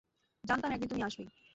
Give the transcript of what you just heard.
জানতাম একদিন তুমি আসবেই।